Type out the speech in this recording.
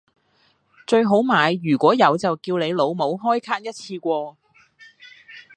最好買如果有就叫你老母開卡一次過